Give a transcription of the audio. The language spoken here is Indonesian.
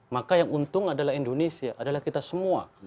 maka yang untung adalah indonesia adalah kita semua